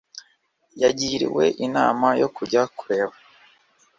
Yagiriwe inama yo kujya kureba